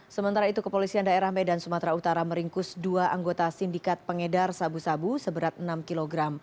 sementara itu kepolisian daerah medan sumatera utara meringkus dua anggota sindikat pengedar sabu sabu seberat enam kg